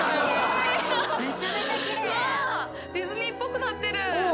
ディズニーっぽくなってる。